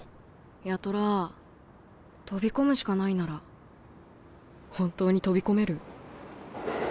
八虎飛び込むしかないなら本当に飛び込める？